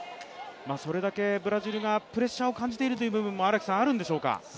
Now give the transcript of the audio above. それだけブラジルがプレッシャーを感じている部分もあるんでしょうか。